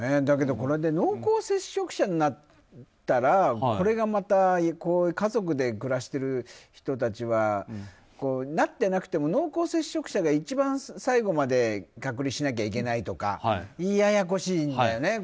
だけど、これって濃厚接触者になったらこれがまた家族で暮らしてる人たちはなってなくても濃厚接触者が一番最後まで隔離しなきゃいけないとかややこしいんだよね。